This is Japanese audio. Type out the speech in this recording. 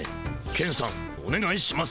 ケンさんおねがいします。